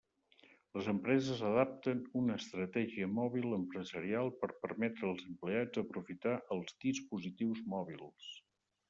Les empreses adapten una estratègia mòbil empresarial per permetre als empleats aprofitar els dispositius mòbils.